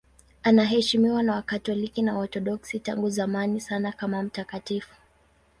Anaheshimiwa na Wakatoliki na Waorthodoksi tangu zamani sana kama mtakatifu.